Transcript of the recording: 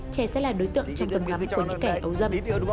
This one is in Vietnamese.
trẻ sẽ là đối tượng trong tầm ngắm của những kẻ ấu dâm